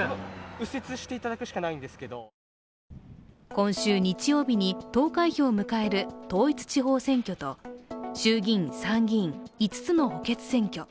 今週日曜日に投開票を迎える統一地方選挙と衆議院・参議院５つの補欠選挙。